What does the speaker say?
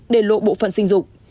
để lộ bộ phận sinh dục